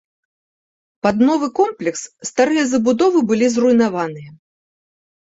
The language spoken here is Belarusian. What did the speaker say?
Пад новы комплекс старыя забудовы былі зруйнаваныя.